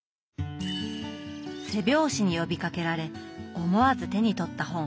背表紙に呼びかけられ思わず手に取った本。